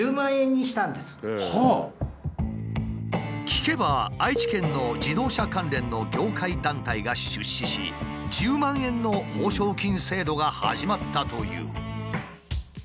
聞けば愛知県の自動車関連の業界団体が出資し１０万円の報奨金制度が始まったという。